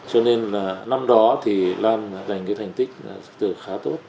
cho nên là năm đó thì lan giành cái thành tích từ khá tốt